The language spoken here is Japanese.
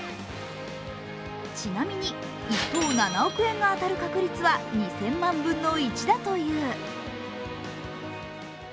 ちなみに１等７億円が当たる確率は２０００万分の１だという。